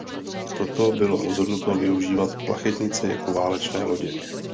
Proto bylo rozhodnuto využívat plachetnice jako válečné lodě.